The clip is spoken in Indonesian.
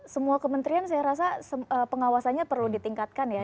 semua kementerian saya rasa pengawasannya perlu ditingkatkan ya